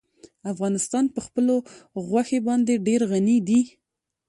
افغانستان په خپلو غوښې باندې ډېر غني دی.